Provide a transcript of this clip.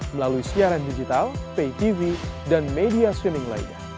melalui siaran digital paytv dan media streaming lainnya